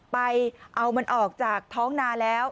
ไปเอามันออกจากท้องนาแล้ว